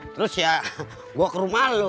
terus ya gue ke rumah lo